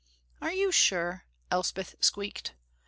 "Are you sure?" Elspeth squeaked.